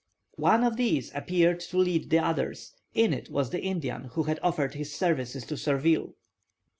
One of these appeared to lead the others; in it was the Indian who had offered his services to Surville.